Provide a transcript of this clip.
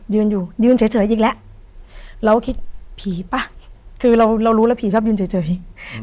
ยืนอยู่ยืนเฉยอีกแล้วเราก็คิดผีป่ะคือเราเรารู้แล้วผีชอบยืนเฉยอืม